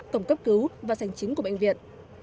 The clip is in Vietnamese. cổng cấp cứu và sành chính của bệnh viện